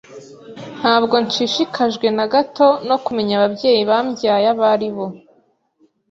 Ntabwo nshishikajwe na gato no kumenya ababyeyi bambyaye abo ari bo.